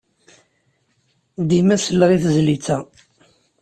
Dima selleɣ i tezlit-a.